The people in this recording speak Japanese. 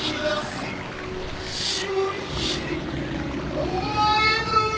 お前の命。